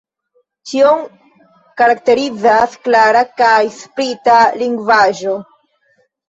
Ĉion karakterizas klara kaj sprita lingvaĵo.